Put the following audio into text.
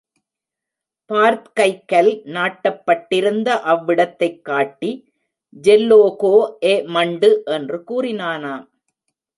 பார்த்கை கல் நாட்டப்பட்டிருந்த அவ்விடத்தைக் காட்டி, ஜெல்லோகோ எ மண்டு என்று கூறினானாம்.